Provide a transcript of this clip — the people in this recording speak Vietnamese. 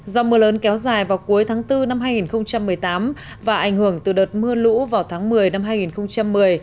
do mưa lớn kéo dài vào cuối tháng bốn năm hai nghìn một mươi tám và ảnh hưởng từ đợt mưa lũ vào tháng một mươi năm hai nghìn một mươi